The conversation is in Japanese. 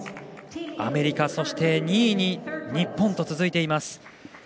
アメリカ、そして２位に日本と続いています。